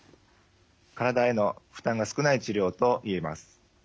体への負担が少ない治療と言えます。